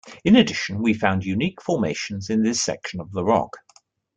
In addition, we found unique formations in this section of the rock.